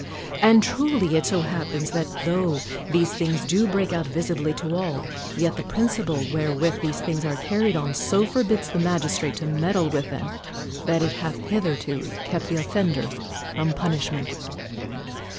And truly it so happens that tho these things do break out visi bly to all, yet the principle wherewith these things are carried on so forbids the magistrate to med dle with them that it hath hitherto kept the of fenders from punishment.